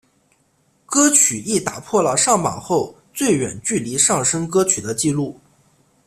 歌曲亦打破了上榜后最远距离上升歌曲的记录。